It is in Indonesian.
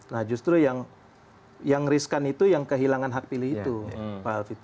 nah justru yang riskan itu yang kehilangan hak pilih itu pak alvito